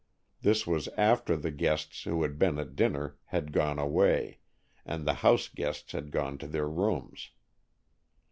This was after the guests who had been at dinner had gone away, and the house guests had gone to their rooms.